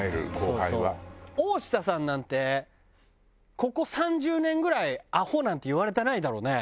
大下さんなんてここ３０年ぐらいアホなんて言われてないだろうね。